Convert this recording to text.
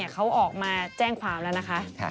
เขาออกมาแจ้งความแล้วนะคะ